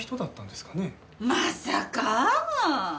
まさか！